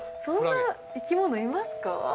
そんな生き物いますか？